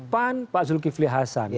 pan pak zulkifli hasan